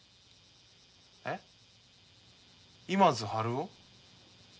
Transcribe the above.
えっ今津春男？